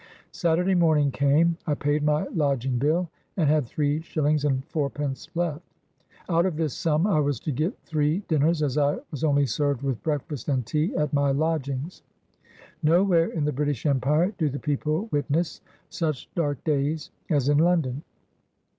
Saturday morning came; I paid my lodging bill, and had three shillings and fourpence left. Out of this sum I was to get three dinners, as I was only served with breakfast and tea at my lodgings. Nowhere in the British Empire do the people witness such dark days as in London.